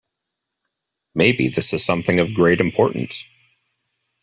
Maybe this is something of great importance.